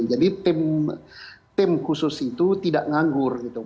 jadi tim khusus itu tidak nganggur gitu